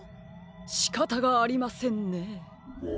しかたがありませんね。